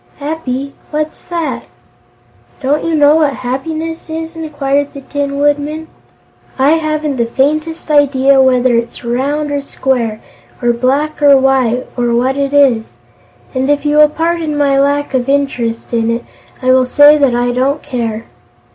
"Happy? What's that?" "Don't you know what happiness is?" inquired the Tin Woodman. "I haven't the faintest idea whether it's round or square, or black or white, or what it is. And, if you will pardon my lack of interest in it, I will say that I don't care."